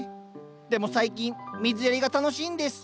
でも最近水やりが楽しいんです。